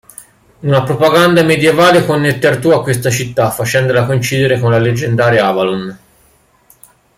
Una propaganda medievale connette Artù a questa città, facendola coincidere con la leggendaria Avalon.